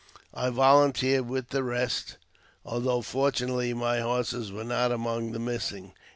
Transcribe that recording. I volunteered with the rest, although fortunately my horses were not among the missing.